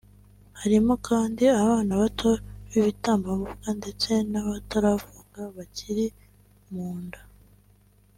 harimo kandi abana bato b’ibitambambuga ndetse n’abataravuka bakiri mu nda